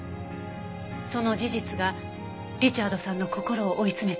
その事実がリチャードさんの心を追い詰めたんです。